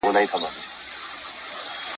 نه د بل پر حیثیت وي نه د خپلو `